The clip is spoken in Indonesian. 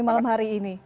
malam hari ini